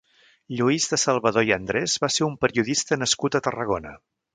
Lluís de Salvador i Andrés va ser un periodista nascut a Tarragona.